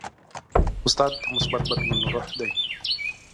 استاد د مثبت بدلون روح دی.